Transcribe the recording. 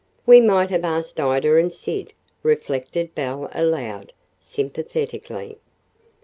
'" "We might have asked Ida and Sid," reflected Belle aloud, sympathetically.